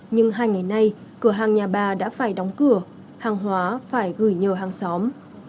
nhưng hai ngày nay cửa hàng nhà bà đã phải đóng cửa hàng hóa phải gửi nhờ hàng xóm